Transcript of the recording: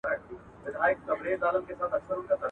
اورنګ زېب.